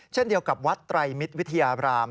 เช่นเดียวกับวัดไตรมิตรวิทยาบราม